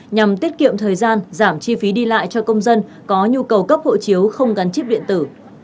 nhằm tiết kiệm thời gian giảm chi phí đi lại cho công dân có nhu cầu cấp hộ chiếu không gắn chip điện tử